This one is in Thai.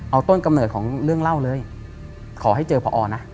เอาต้นกำเนิดของเรื่องเล่าเลยขอให้เจอพอนะ